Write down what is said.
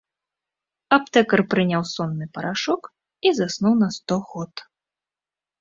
Аптэкар прыняў сонны парашок і заснуў на сто год.